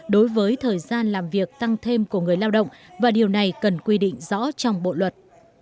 điều này cần quy định rõ trong bộ luật